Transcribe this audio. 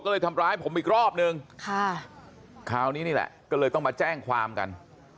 ก็เลยทำร้ายผมอีกรอบนึงค่ะคราวนี้นี่แหละก็เลยต้องมาแจ้งความกัน